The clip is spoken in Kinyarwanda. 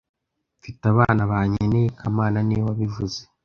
Mfite abana bankeneye kamana niwe wabivuze